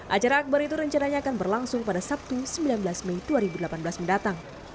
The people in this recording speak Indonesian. acara akbar itu rencananya akan berlangsung pada sabtu sembilan belas mei dua ribu delapan belas mendatang